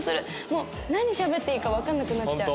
もう何しゃべっていいかわかんなくなっちゃう。